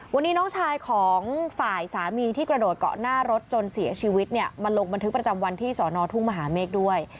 วันนี้น้องชายของฝ่ายสามีที่กระโดดเกาะหน้ารถจนเสียชีวิตเนี่ยมาลงบันทึกประจำวันที่สอนอทุ่งมหาเมฆด้วย